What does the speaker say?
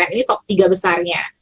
ini top tiga besarnya